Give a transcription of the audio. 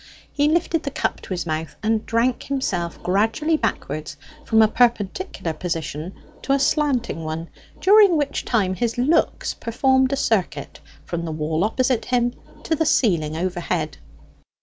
He lifted the cup to his mouth, and drank himself gradually backwards from a perpendicular position to a slanting one, during which time his looks performed a circuit from the wall opposite him to the ceiling overhead.